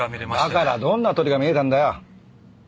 だからどんな鳥が見れたんだよ！